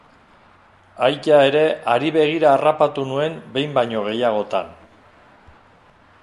Aita ere hari begira harrapatu nuen behin baino gehiagotan.